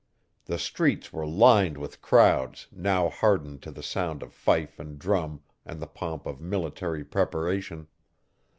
The streets were lined with crowds now hardened to the sound of fife and drum and the pomp of military preparation.